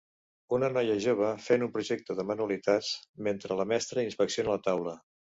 Una noia jove fent un projecte de manualitats mentre la mestra inspecciona la taula.